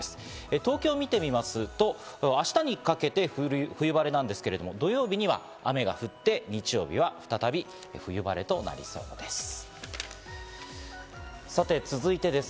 東京を見てみますと、明日にかけて冬晴れなんですけど、土曜日には雨が降って日曜日は再び冬晴れとなりそうです。